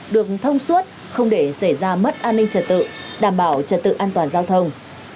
được thông suốt không để xảy ra mất an ninh trật tự đảm bảo trật tự an toàn giao thông